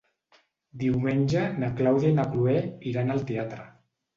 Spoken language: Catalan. Diumenge na Clàudia i na Cloè iran al teatre.